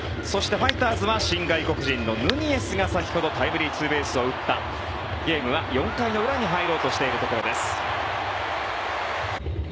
そしてファイターズは新外国人のヌニエスが先ほどタイムリーツーベースを打ったゲームは４回の裏に入ろうとしているところです。